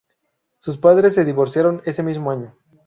Sus padres se divorciaron ese mismo año.